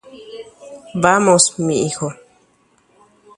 Jaha che memby